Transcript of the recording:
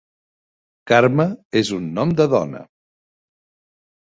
Carme és un nom de dona.